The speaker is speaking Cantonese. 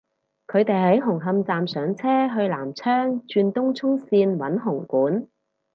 佢哋喺紅磡站上車去南昌轉東涌綫搵紅館